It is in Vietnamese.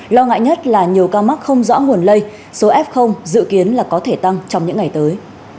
lo ngại nhất là nhiều ca mắc không rõ nguồn lây số f dự kiến là có thể tăng trong những ngày tới